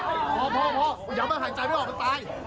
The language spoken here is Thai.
อ่อว๊าวเห็นเลยเดี๋ยวขัดใจไม่รอด